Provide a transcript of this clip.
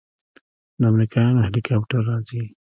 د امريکايانو هليكاپټر راځي.